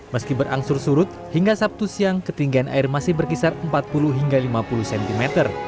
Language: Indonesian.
meski berangsur surut hingga sabtu siang ketinggian air masih berkisar empat puluh hingga lima puluh cm